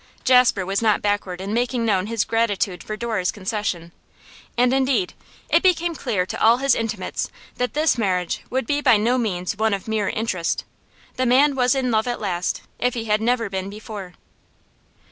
Jasper was not backward in making known his gratitude for Dora's concession, and indeed it became clear to all his intimates that this marriage would be by no means one of mere interest; the man was in love at last, if he had never been before.